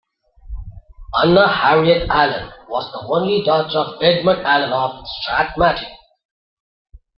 Anna Harriet Allen was the only daughter of Edmund Allen of Strathmartin.